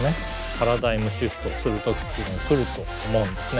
パラダイムシフトする時っていうのは来ると思うんですね。